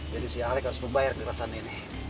jadi si alek harus membayar kekerasan ini